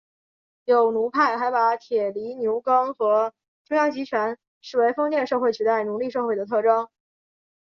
有奴派还把铁犁牛耕和中央集权视为封建社会取代奴隶社会的特征。